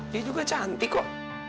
dia juga cantik kok